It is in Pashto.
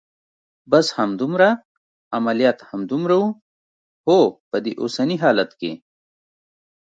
بس همدومره؟ عملیات همدومره و؟ هو، په دې اوسني حالت کې.